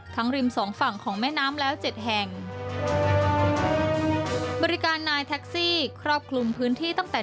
ริมสองฝั่งของแม่น้ำแล้วเจ็ดแห่งบริการนายแท็กซี่ครอบคลุมพื้นที่ตั้งแต่